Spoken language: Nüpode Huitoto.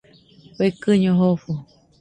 Fekɨño jofo.